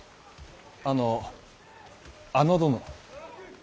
あのあの殿。